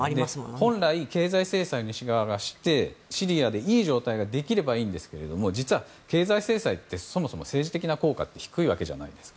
本来経済制裁を西側がしてシリアでいい状態ができればいいんですが実は、経済制裁ってそもそも、政治的な効果は低いわけじゃないですか。